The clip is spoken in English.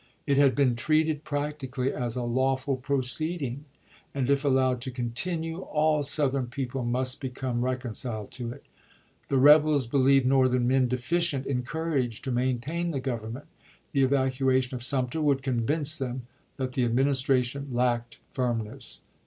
It had been treated practically as a lawful proceeding; and, if allowed to continue, all Southern people must become reconciled to it. The rebels believed Northern men deficient in courage to maintain the Government. The evac uation of Sumter would convince them that the Administration lacked firmness.